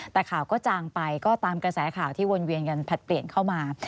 แต่ข่าวก็จางไปก็ตามกระแสข่าวที่วนเวียนกันผลัดเปลี่ยนเข้ามา